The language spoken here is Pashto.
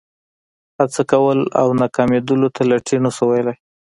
هڅه کول او ناکامېدلو ته لټي نه شو ویلای.